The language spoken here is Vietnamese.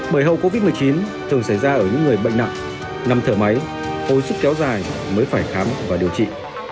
bởi hậu covid một mươi chín thường xảy ra ở những người bệnh nặng nằm thở máy hồi sức kéo dài mới phải khám và điều trị